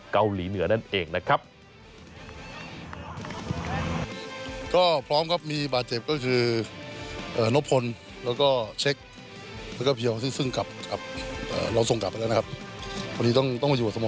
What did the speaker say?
วันนี้ต้องมาอยู่กับสมมติต่อ